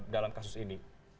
dalam kasus ini